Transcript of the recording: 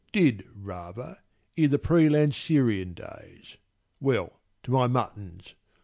Did, rather, i' the pre Landseerian days. Well, to my muttons.